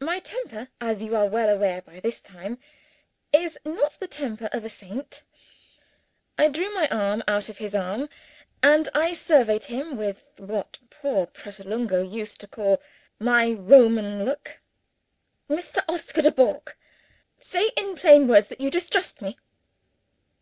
My temper, as you are well aware by this time, is not the temper of a saint. I drew my arm smartly out of his arm; and I surveyed him with, what poor Pratolungo used to call, "my Roman look." "Mr. Oscar Dubourg! say, in plain words, that you distrust me."